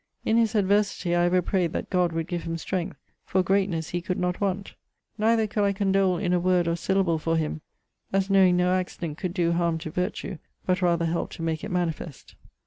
In his adversity I ever prayed that God would give him strength; for greatnes he could not want. Neither could I condole in a word or syllable for him, as knowing no accident could doe harme to vertue but rather helpe to make it manifest.